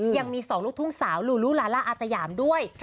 ยังมี๒ลูกทุ่งสาวลูลูลาล่าอาสยามด้วย